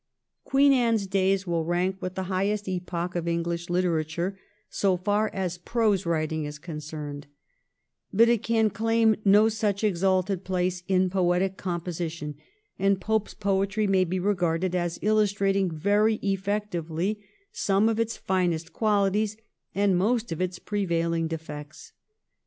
Queen Anne's days will rank with the highest epoch of English literature, so far as prose writing is concerned ; but it can claim no such exalted place in poetic composition, and Pope's poetry may be re garded as illustrating very effectively some of its finest quahties and most of its prevailing defects.